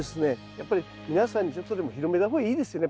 やっぱり皆さんにちょっとでも広めた方がいいですよね